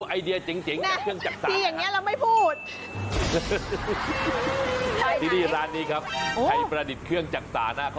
ไอเดียเจ๋งจากเครื่องจักษานะฮะ